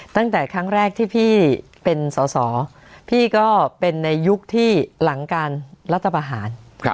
ตั้งแต่ครั้งแรกที่พี่เป็นสอสอพี่ก็เป็นในยุคที่หลังการรัฐประหาร